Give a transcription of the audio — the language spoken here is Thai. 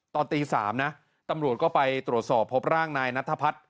ตอนตี๓นะตำรวจก็ไปตรวจสอบพบร่างนายนัทพัฒน์